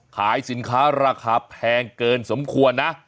ขายสินค้าราคาแพงเกินสมควรนะ